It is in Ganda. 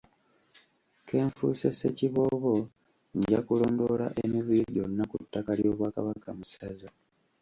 Ke nfuuse Ssekiboobo nja kulondoola emivuyo gyonna ku ttaka ly'Obwakabaka mu ssaza.